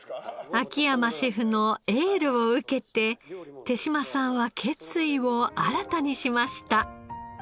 秋山シェフのエールを受けて手島さんは決意を新たにしました。